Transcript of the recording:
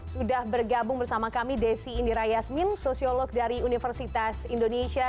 sudah bergabung bersama kami desi indira yasmin sosiolog dari universitas indonesia